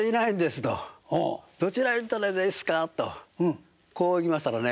「どちらへ行ったらいいですか？」とこう言いましたらね